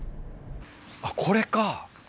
あっこれか。